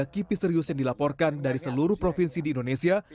tiga ratus enam puluh tiga kipi serius yang dilaporkan dari seluruh provinsi di indonesia